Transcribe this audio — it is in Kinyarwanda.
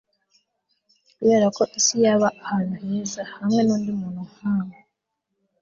kuberako isi yaba ahantu heza hamwe nundi muntu nkawe